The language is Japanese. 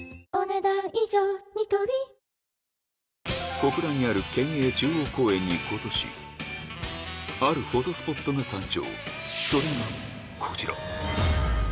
小倉にある県営中央公園に今年あるフォトスポットが誕生